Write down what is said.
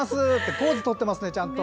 ポーズとってますね、ちゃんと。